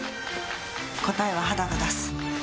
答えは肌が出す。